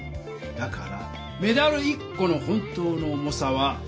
だからメダル１この本当の重さは。